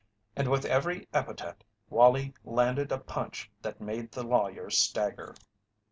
And with every epithet Wallie landed a punch that made the lawyer stagger.